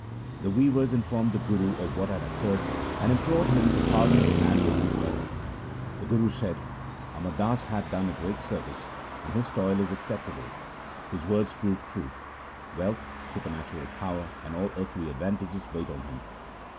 The weavers informed the Guru of what had occurred, and implored him to pardon the mad woman's error. The Guru said, 'Amar Das hath done great service and his toil is acceptable. His words prove true ; wealth, supernatural power, and all earthly advantages wait on him.